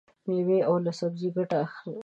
مېوې او سبزي ګټه لري.